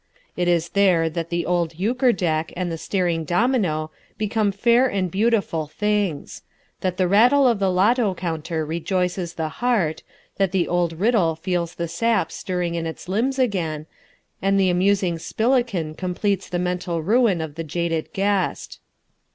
It is there that the old euchre deck and the staring domino become fair and beautiful things; that the rattle of the Loto counter rejoices the heart, that the old riddle feels the sap stirring in its limbs again, and the amusing spilikin completes the mental ruin of the jaded guest.